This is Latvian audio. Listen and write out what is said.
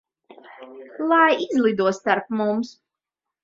Lai izlido starp mums.